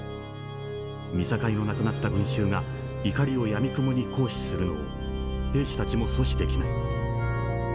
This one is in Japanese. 見境のなくなった群衆が怒りをやみくもに行使するのを兵士たちも阻止できない。